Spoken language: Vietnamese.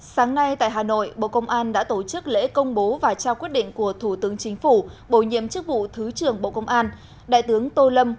sáng nay tại hà nội bộ công an đã tổ chức lễ công bố và trao quyết định của thủ tướng chính phủ bộ nhiệm chức vụ thứ trưởng bộ công an đại tướng tô lâm